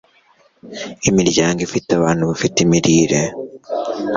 imiryango ifite abantu bafite imirire